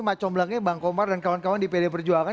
mak comblangnya bang komar dan kawan kawan di pd perjuangan